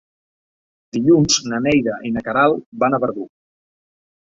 Dilluns na Neida i na Queralt van a Verdú.